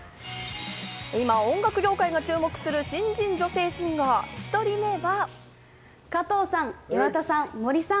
今、音楽業界が注目する新人女性シンガー、１人目が。